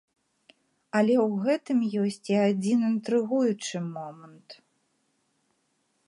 Але ў гэтым ёсць і адзін інтрыгуючы момант.